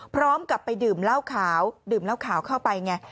พร้อมกับไปดื่มเหล้าขาวดื่มเหล้าขาวเข้าไปไง